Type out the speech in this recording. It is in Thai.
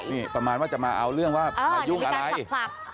นี่ประมาณว่าจะมาเอาเรื่องว่ามีการสับผลัก